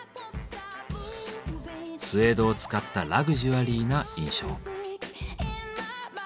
スエードを使ったラグジュアリーな印象。